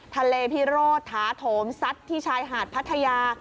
พิโรธถาโถมซัดที่ชายหาดพัทยา